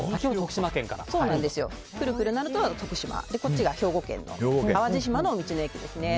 くるくるなるとは徳島こっちが兵庫県の淡路島の道の駅ですね。